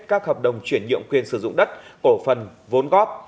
các hợp đồng chuyển nhượng quyền sử dụng đất cổ phần vốn góp